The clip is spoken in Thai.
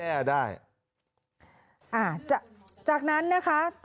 มึงอยากให้ผู้ห่างติดคุกหรอ